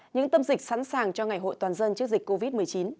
những tâm dịch sẵn sàng cho ngày hội toàn dân trước dịch covid một mươi chín